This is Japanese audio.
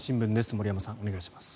森山さん、お願いします。